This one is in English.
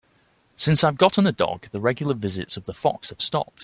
Since I've gotten a dog, the regular visits of the fox have stopped.